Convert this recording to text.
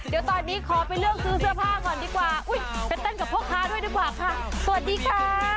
เดี๋ยวตอนนี้ขอไปเลือกซื้อเสื้อผ้าก่อนดีกว่าอุ้ยไปเต้นกับพ่อค้าด้วยดีกว่าค่ะสวัสดีค่ะ